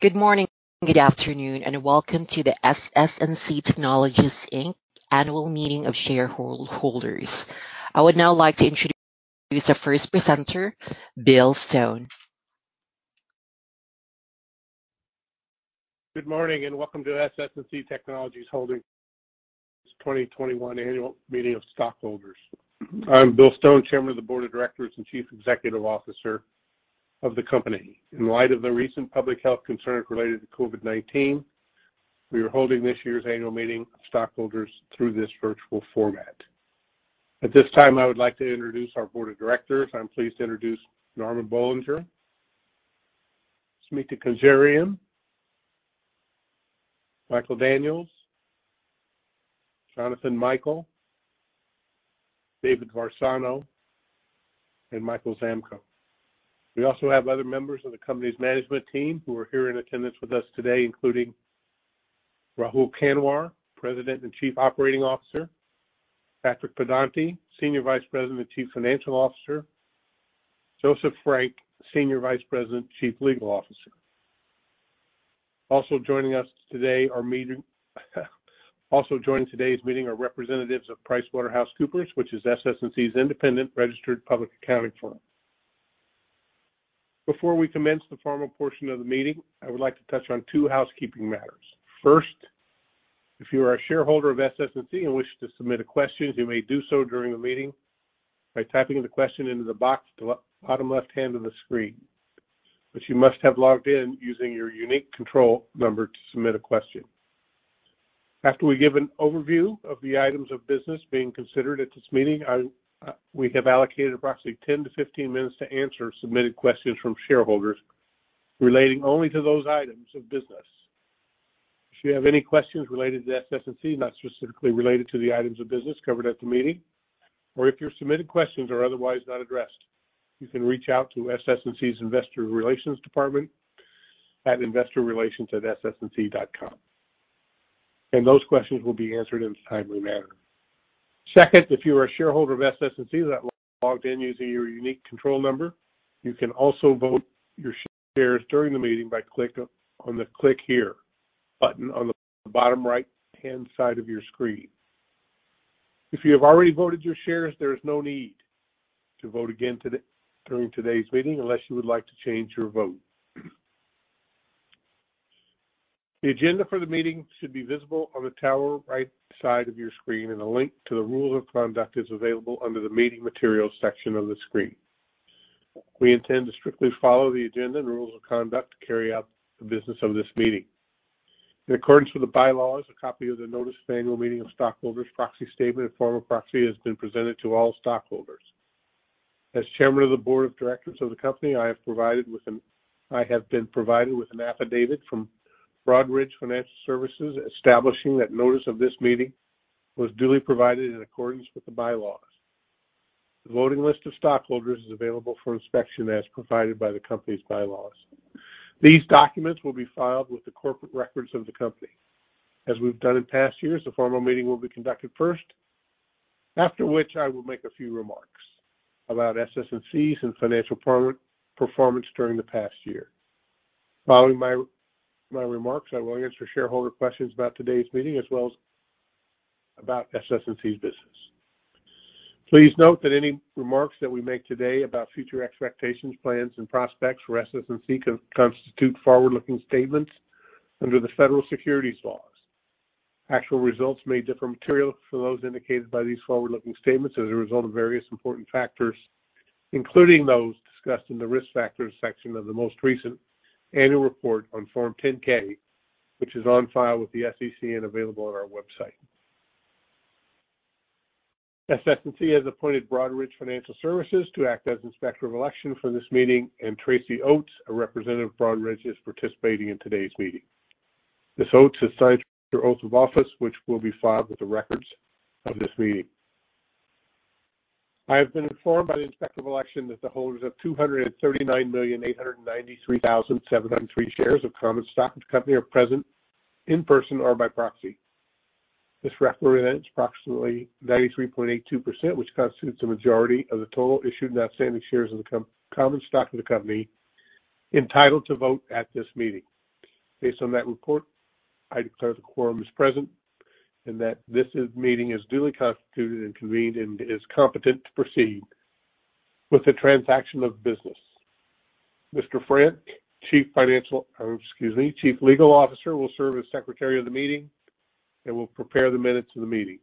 Good morning, good afternoon, welcome to the SS&C Technologies, Inc. Annual Meeting of Shareholders. I would now like to introduce the first presenter, Bill Stone. Good morning, and welcome to SS&C Technologies Holdings' 2021 Annual Meeting of Stockholders. I'm Bill Stone, Chairman of the Board of Directors and Chief Executive Officer of the company. In light of the recent public health concerns related to COVID-19, we are holding this year's annual meeting of stockholders through this virtual format. At this time, I would like to introduce our Board of Directors. I'm pleased to introduce Normand Boulanger, Smita Conjeevaram, Michael Daniels, Jonathan Michael, David Varsano, and Michael Zamkow. We also have other members of the company's management team who are here in attendance with us today, including Rahul Kanwar, President and Chief Operating Officer, Patrick Pedonti, Senior Vice President and Chief Financial Officer, Joseph Frank, Senior Vice President and Chief Legal Officer. Also joining today's meeting are representatives of PricewaterhouseCoopers, which is SS&C's independent registered public accounting firm. Before we commence the formal portion of the meeting, I would like to touch on two housekeeping matters. First, if you are a shareholder of SS&C and wish to submit a question, you may do so during the meeting by typing the question into the box at the bottom left-hand of the screen. You must have logged in using your unique control number to submit a question. After we give an overview of the items of business being considered at this meeting, we have allocated approximately 10-15 minutes to answer submitted questions from shareholders relating only to those items of business. If you have any questions related to SS&C, not specifically related to the items of business covered at the meeting, or if your submitted questions are otherwise not addressed, you can reach out to SS&C's investor relations department at InvestorRelations@sscinc.com, and those questions will be answered in a timely manner. Second, if you're a shareholder of SS&C that logged in using your unique control number, you can also vote your shares during the meeting by clicking on the Click Here button on the bottom right-hand side of your screen. If you have already voted your shares, there's no need to vote again during today's meeting unless you would like to change your vote. The agenda for the meeting should be visible on the top right side of your screen, and a link to the rules of conduct is available under the Meeting Materials section of the screen. We intend to strictly follow the agenda and rules of conduct to carry out the business of this meeting. In accordance with the bylaws, a copy of the notice of annual meeting of stockholders proxy statement and formal proxy has been presented to all stockholders. As Chairman of the Board of directors of the company, I have been provided with an affidavit from Broadridge Financial Services establishing that notice of this meeting was duly provided in accordance with the bylaws. The voting list of stockholders is available for inspection as provided by the company's bylaws. These documents will be filed with the corporate records of the company. As we've done in past years, the formal meeting will be conducted first, after which I will make a few remarks about SS&C's and financial performance during the past year. Following my remarks, I will answer shareholder questions about today's meeting, as well as about SS&C's business. Please note that any remarks that we make today about future expectations, plans, and prospects for SS&C constitute forward-looking statements under the federal securities laws. Actual results may differ materially from those indicated by these forward-looking statements as a result of various important factors, including those discussed in the Risk Factors section of the most recent annual report on Form 10-K, which is on file with the SEC and available on our website. SS&C has appointed Broadridge Financial Services to act as inspector of election for this meeting, and Tracy Oats, a representative of Broadridge, is participating in today's meeting. Ms. Oats has signed her oaths of office, which will be filed with the records of this meeting. I have been informed by the inspector of election that the holders of 239,893,703 shares of common stock of the company are present in person or by proxy. This represents approximately 93.82%, which constitutes the majority of the total issued and outstanding shares of the common stock of the company entitled to vote at this meeting. Based on that report, I declare the quorum is present and that this meeting is duly constituted and convened and is competent to proceed with the transaction of business. Mr. Frank, Chief Legal Officer, will serve as secretary of the meeting and will prepare the minutes of the meeting.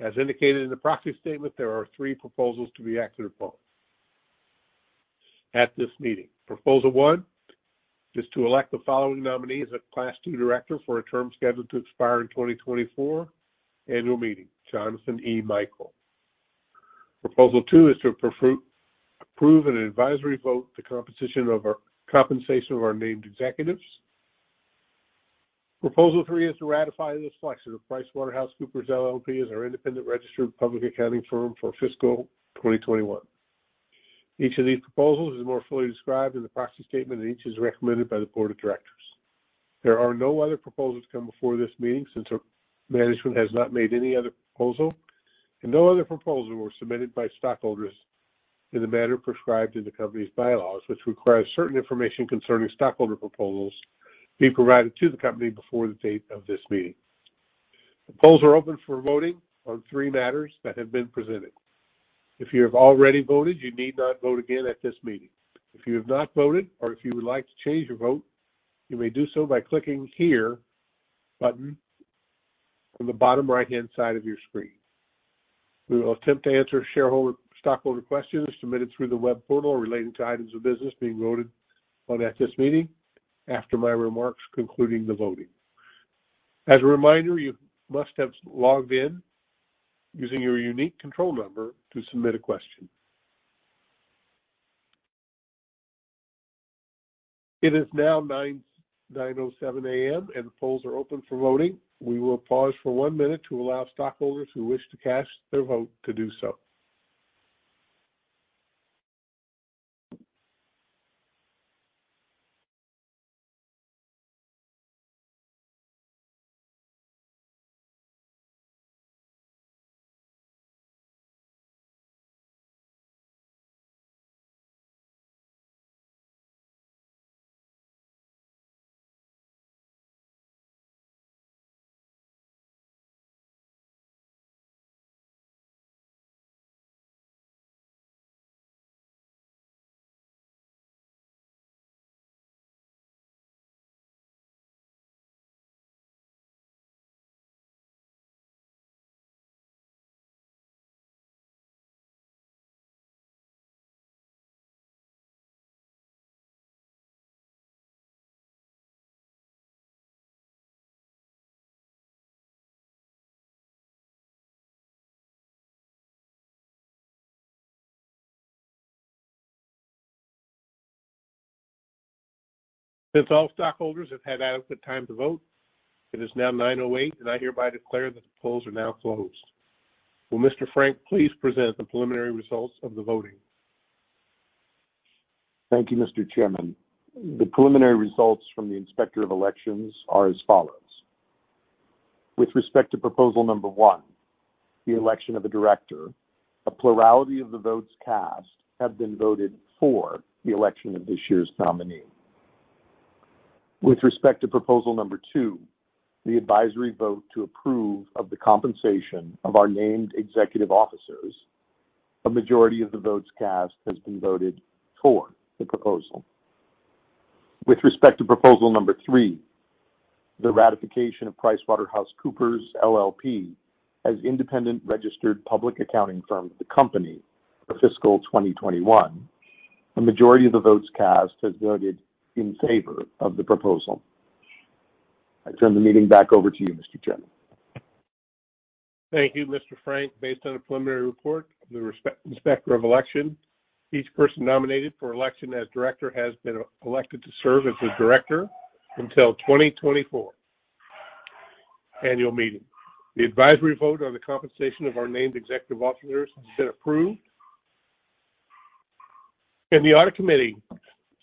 As indicated in the proxy statement, there are three proposals to be acted upon at this meeting. Proposal one is to elect the following nominee as a Class II director for a term scheduled to expire in 2024 annual meeting, Jonathan E. Michael. Proposal two is to approve an advisory vote, the compensation of our named executives. Proposal three is to ratify the selection of PricewaterhouseCoopers LLP as our independent registered public accounting firm for fiscal 2021. Each of these proposals is more fully described in the proxy statement, and each is recommended by the board of directors. There are no other proposals to come before this meeting since our management has not made any other proposal, and no other proposal were submitted by stockholders in the manner prescribed in the company's bylaws, which require certain information concerning stockholder proposals be provided to the company before the date of this meeting. The polls are open for voting on three matters that have been presented. If you have already voted, you need not vote again at this meeting. If you have not voted, or if you would like to change your vote, you may do so by clicking here, button on the bottom right-hand side of your screen. We will attempt to answer stockholder questions submitted through the web portal relating to items of business being voted on at this meeting after my remarks concluding the voting. As a reminder, you must have logged in using your unique control number to submit a question. It is now 9:07 A.M. and the polls are open for voting. We will pause for one minute to allow stockholders who wish to cast their vote to do so. Since all stockholders have had adequate time to vote, it is now 9:08 A.M., and I hereby declare that the polls are now closed. Will Mr. Frank please present the preliminary results of the voting? Thank you, Mr. Chairman. The preliminary results from the Inspector of Elections are as follows. With respect to proposal number one, the election of a director, a plurality of the votes cast have been voted for the election of this year's nominee. With respect to proposal number two, the advisory vote to approve of the compensation of our named executive officers, a majority of the votes cast has been voted for the proposal. With respect to proposal number three, the ratification of PricewaterhouseCoopers LLP as independent registered public accounting firm of the company for fiscal 2021, the majority of the votes cast have voted in favor of the proposal. I turn the meeting back over to you, Mr. Chairman. Thank you, Mr. Frank. Based on a preliminary report from the Inspector of Election, each person nominated for election as director has been elected to serve as a director until 2024 annual meeting. The advisory vote on the compensation of our named executive officers has been approved, and the audit committee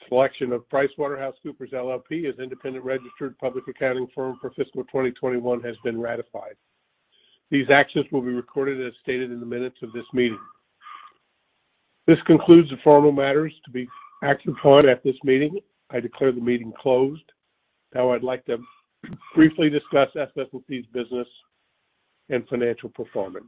selection of PricewaterhouseCoopers LLP as independent registered public accounting firm for fiscal 2021 has been ratified. These actions will be recorded as stated in the minutes of this meeting. This concludes the formal matters to be acted upon at this meeting. I declare the meeting closed. I'd like to briefly discuss SS&C's business and financial performance.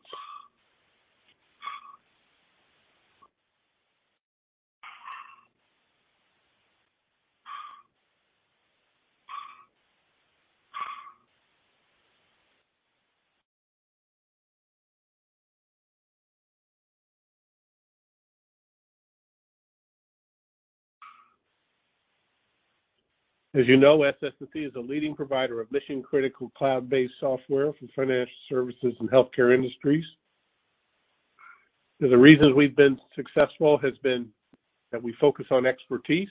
As you know, SS&C is a leading provider of mission-critical cloud-based software for financial services and healthcare industries. The reason we've been successful has been that we focus on expertise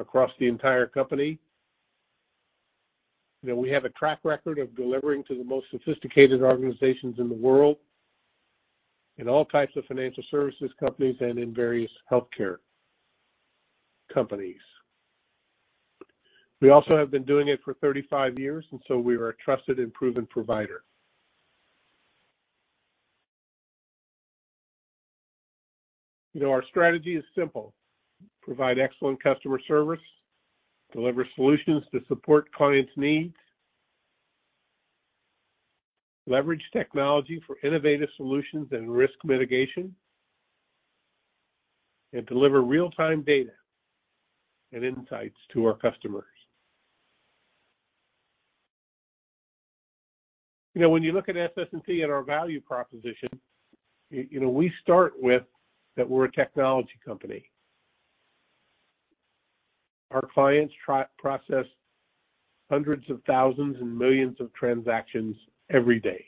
across the entire company. We have a track record of delivering to the most sophisticated organizations in the world, in all types of financial services companies and in various healthcare companies. We also have been doing it for 35 years, we are a trusted and proven provider. Our strategy is simple: provide excellent customer service, deliver solutions to support clients' needs, leverage technology for innovative solutions and risk mitigation, and deliver real-time data and insights to our customers. When you look at SS&C and our value proposition, we start with that we're a technology company. Our clients process hundreds of thousands and millions of transactions every day.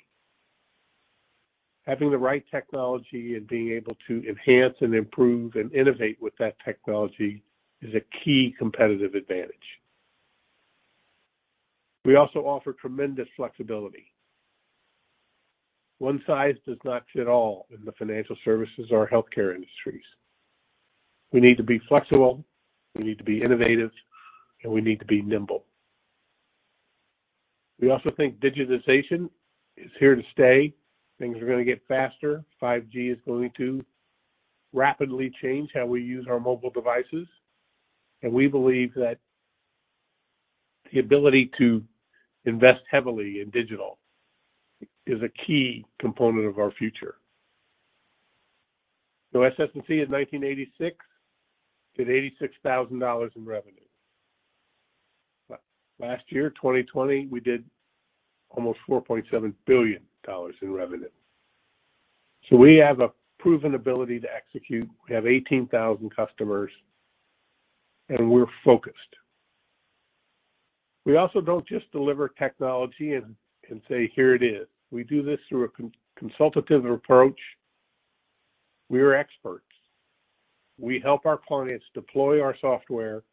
Having the right technology and being able to enhance and improve and innovate with that technology is a key competitive advantage. We also offer tremendous flexibility. One size does not fit all in the financial services or healthcare industries. We need to be flexible, we need to be innovative, and we need to be nimble. We also think digitization is here to stay. Things are going to get faster. 5G is going to rapidly change how we use our mobile devices, and we believe that the ability to invest heavily in digital is a key component of our future. SS&C in 1986 did $86,000 in revenue. Last year, 2020, we did almost $4.7 billion in revenue. We have a proven ability to execute. We have 18,000 customers, and we're focused. We also don't just deliver technology and say, "Here it is." We do this through a consultative approach. We are experts. We help our clients deploy our software,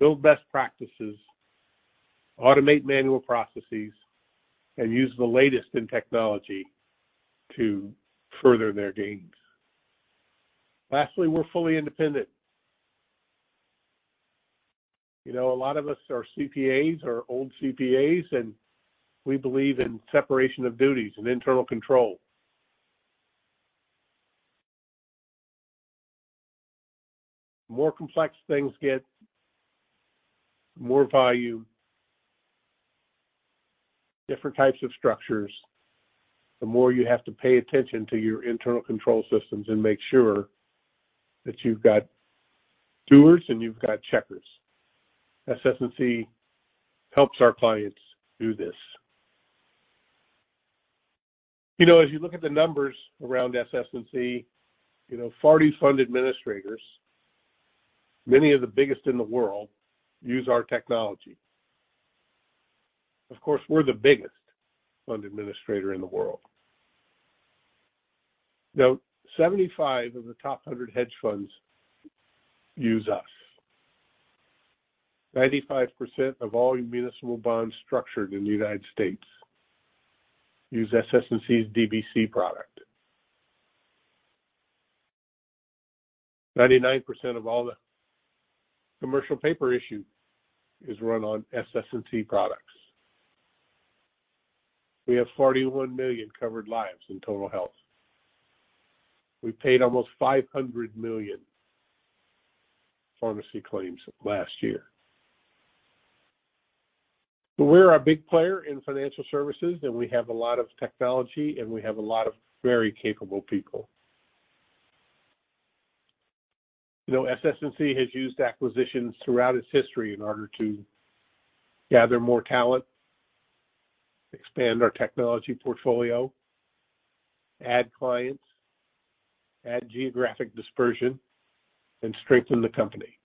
build best practices, automate manual processes, and use the latest in technology to further their gains. Lastly, we're fully independent. A lot of us are CPAs or old CPAs, and we believe in separation of duties and internal control. The more complex things get, the more value, different types of structures, the more you have to pay attention to your internal control systems and make sure that you've got doers and you've got checkers. SS&C helps our clients do this. As you look at the numbers around SS&C, 40 fund administrators, many of the biggest in the world, use our technology. Of course, we're the biggest fund administrator in the world. Now, 75 of the top 100 hedge funds use us. 95% of all municipal bonds structured in the United States use SS&C's DBC product. 99% of all the commercial paper issued is run on SS&C products. We have 41 million covered lives in total health. We paid almost $500 million pharmacy claims last year. We're a big player in financial services, and we have a lot of technology, and we have a lot of very capable people. SS&C has used acquisitions throughout its history in order to gather more talent, expand our technology portfolio, add clients, add geographic dispersion, and strengthen the company.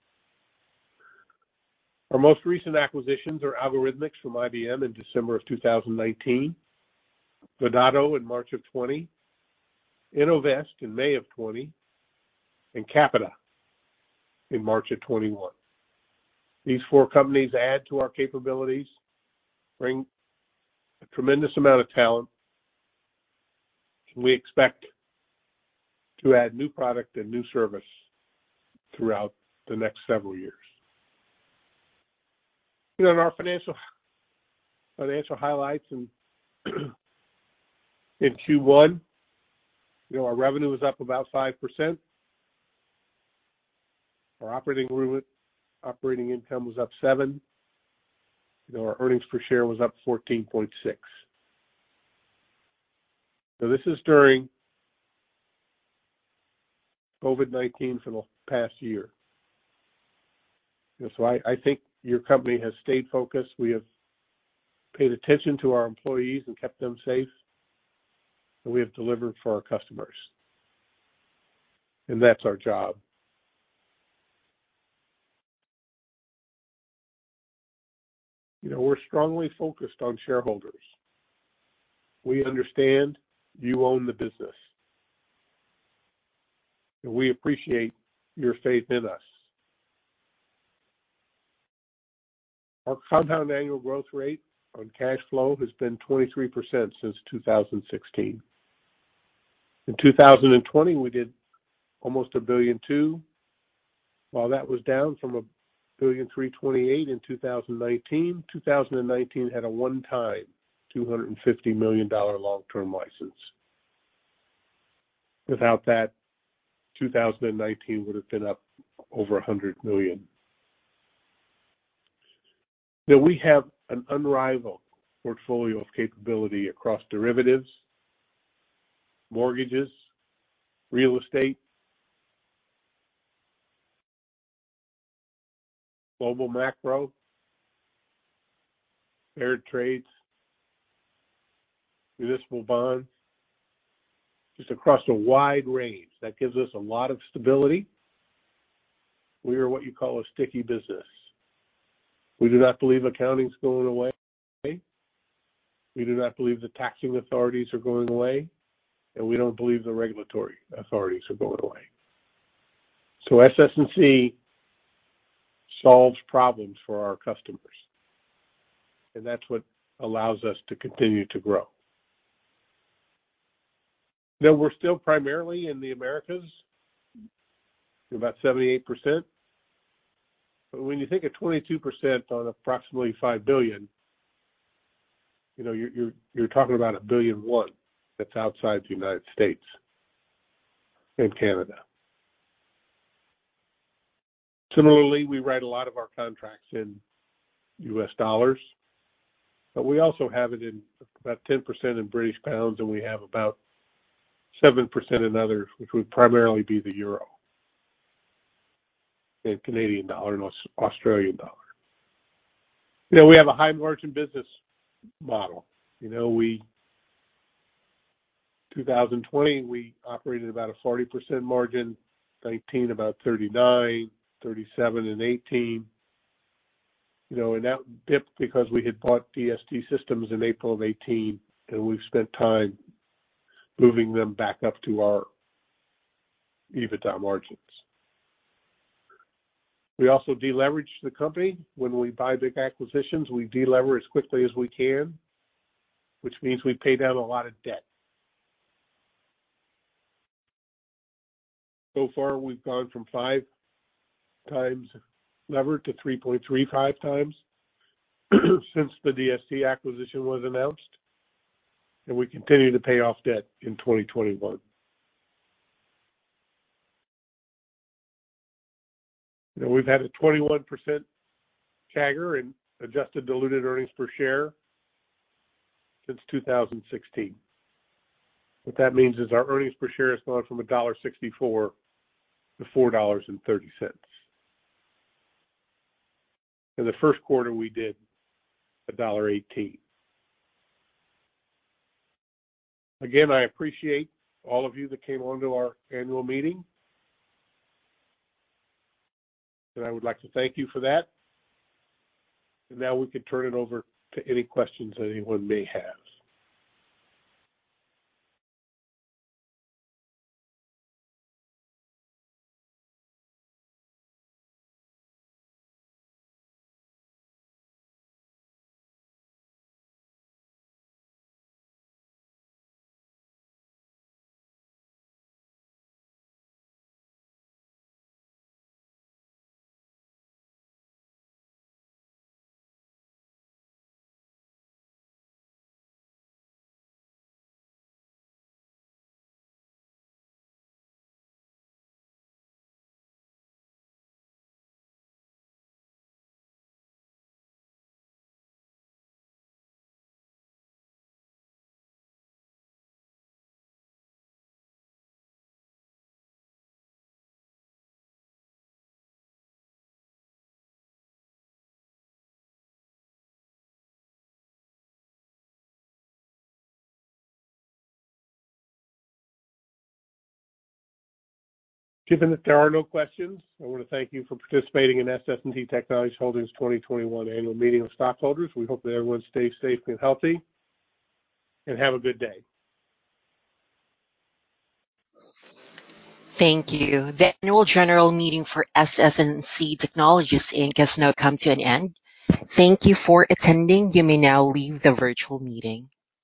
Our most recent acquisitions are Algorithmics from IBM in December of 2019, Donato in March of 2020, Innovest in May of 2020, and Capita in March of 2021. These four companies add to our capabilities, bring a tremendous amount of talent, and we expect to add new product and new service throughout the next several years. Our financial highlights in Q1, our revenue was up about 5%. Our operating income was up 7%. Our earnings per share was up 14.6%. This is during COVID-19 for the past year. I think your company has stayed focused. We have paid attention to our employees and kept them safe. We have delivered for our customers. That's our job. We're strongly focused on shareholders. We understand you own the business, and we appreciate your faith in us. Our CAGR on cash flow has been 23% since 2016. In 2020, we did almost $1.2 billion. While that was down from $1.328 billion in 2019 had a one-time $250 million long-term license. Without that, 2019 would've been up over $100 million. We have an unrivaled portfolio of capability across derivatives, mortgages, real estate, global macro, paired trades, municipal bonds, just across a wide range. That gives us a lot of stability. We are what you call a sticky business. We do not believe accounting's going away, we do not believe the taxing authorities are going away, and we don't believe the regulatory authorities are going away. SS&C solves problems for our customers, and that's what allows us to continue to grow. We're still primarily in the Americas, about 78%, but when you take a 22% on approximately $5 billion, you're talking about $1.1 billion that's outside the United States and Canada. Similarly, we write a lot of our contracts in US dollars, but we also have it in about 10% in British pounds, and we have about 7% in others, which would primarily be the euro, and Canadian dollar and Australian dollar. We have a high-margin business model. In 2020, we operated about a 40% margin, 2019 about 39%, 37% in 2018. That dipped because we had bought DST Systems in April of 2018, and we've spent time moving them back up to our EBITDA margins. We also de-leveraged the company. When we buy big acquisitions, we de-lever as quickly as we can, which means we pay down a lot of debt. So far, we've gone from five times lever to 3.35x since the DST acquisition was announced, and we continue to pay off debt in 2021. We've had a 21% CAGR in adjusted diluted earnings per share since 2016. What that means is our earnings per share has gone from $1.64 to $4.30. In the first quarter, we did $1.18. Again, I appreciate all of you that came onto our annual meeting, and I would like to thank you for that. Now we can turn it over to any questions that anyone may have. Given that there are no questions, I want to thank you for participating in SS&C Technologies Holdings' 2021 annual meeting of stockholders. We hope that everyone stays safe and healthy, and have a good day. Thank you. The annual general meeting for SS&C Technologies Inc. has now come to an end. Thank you for attending. You may now leave the virtual meeting.